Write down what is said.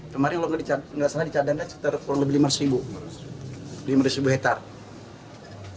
kemarin di sana dicadangnya kurang lebih lima hektare